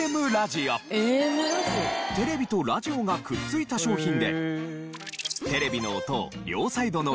テレビとラジオがくっついた商品で。